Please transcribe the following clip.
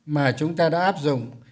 mà chúng ta đã áp dụng